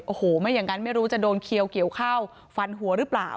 โอ้โหไม่อย่างนั้นไม่รู้จะโดนเขียวเกี่ยวเข้าฟันหัวหรือเปล่า